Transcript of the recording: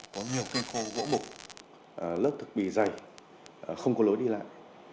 có nhiều cây khô gỗ bụng lớp thực bị dày không có lối đi lại